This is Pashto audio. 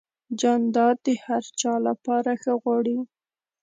جانداد د هر چا لپاره ښه غواړي.